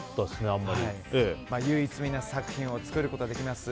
唯一無二な作品を作ることができます。